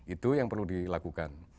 itu yang perlu dilakukan